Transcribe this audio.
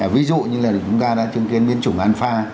ví dụ như là chúng ta đã chứng kiến biến chủng alpha